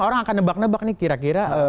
orang akan nebak nebak nih kira kira